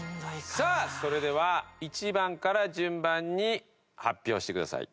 さあそれでは１番から順番に発表してください。